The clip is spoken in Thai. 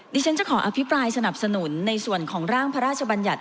ดิฉันจะขออภิปรายสนับสนุนในส่วนของร่างพระราชบัญญัติ